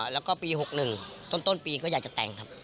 แล้วก็ปี๖๑ต้นปีก็อยากจะแต่งครับ